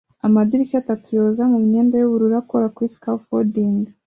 Amadirishya atatu yoza mumyenda yubururu akora kuri scafolding